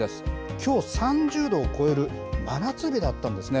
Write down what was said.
きょう３０度を超える、真夏日だったんですね。